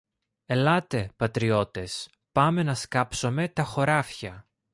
Ελάτε, πατριώτες, πάμε να σκάψομε τα χωράφια.